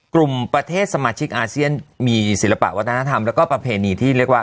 กลุ่มประเทศสมาชิกอาเซียนมีศิลปะวัฒนธรรมแล้วก็ประเพณีที่เรียกว่า